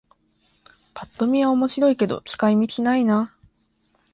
ぱっと見は面白いけど使い道ないな